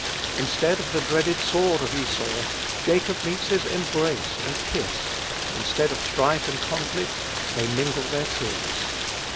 Instead of the dreaded sword of Esau, Jacob meets his embrace and kiss; instead of strife and conflict, they mingle their tears.